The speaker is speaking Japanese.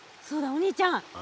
お兄ちゃん。